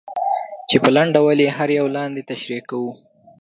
چې په لنډ ډول یې هر یو لاندې تشریح کوو.